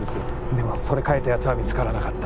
でもそれ描いたやつは見つからなかった